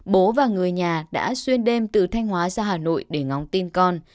bố và người nhà đã xuyên đêm từ thanh hóa ra hà nội để ngóng tin con